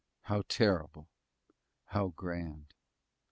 How terrible how grand!